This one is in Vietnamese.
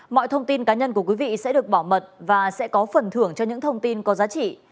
mọi thông tin cá nhân của quý vị sẽ được bảo mật và sẽ có phần thưởng cho những thông tin có giá trị